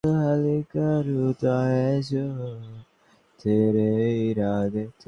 আলমবাজার মঠের সহিত তাঁহার যোগাযোগ ছিল।